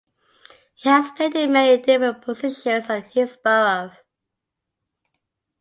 He has played in many different positions at Hillsborough.